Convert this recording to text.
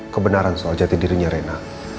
kebenaran soal jati dirinya rena